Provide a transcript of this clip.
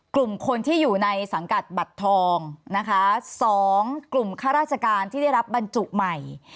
กลุ่มคนที่อยู่ในสังกัดบัตรทองนะคะสองกลุ่มข้าราชการที่ได้รับบรรจุใหม่